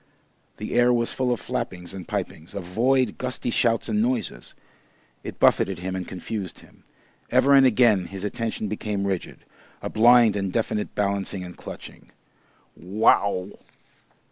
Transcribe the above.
The air was full of flappings and pipings, of void, gusty shouts and noises; it buffeted him and confused him; ever and again his attention became rigid a blind and deaf balancing and clutching. "Wow!"